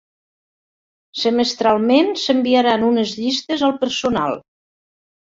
Semestralment s'enviaran unes llistes al personal.